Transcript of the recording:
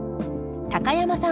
高山さん